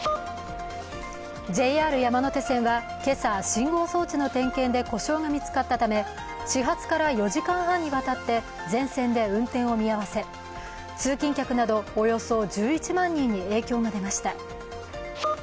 ＪＲ山手線は今朝信号装置の点検で故障が見つかったため始発から４時間半にわたって全線で運転を見合わせ、通勤客などおよそ１１万人に影響が出ました。